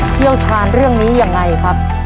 เชี่ยวชาญเรื่องนี้ยังไงครับ